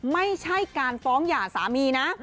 ไม่ใช่การฟ้องหย่าสามีนะ